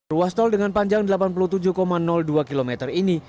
ruas tol dengan panjang delapan puluh tujuh dua km ini